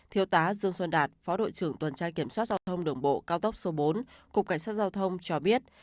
thiêu tá dương xuân đạt phó đội trưởng tuần tra kiểm soát giao thông đường bộ cao tốc số bốn cục cảnh sát giao thông cho biết